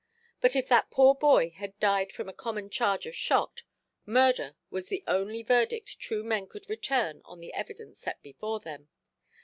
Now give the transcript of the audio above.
But if that poor boy had died from a common charge of shot, "Murder" was the only verdict true men could return on the evidence set before them.